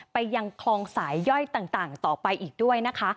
ไปยังคลองสายย่อยต่างต่อไปอีกด้วยนะคะ